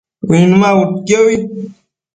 Uinmabudquiobi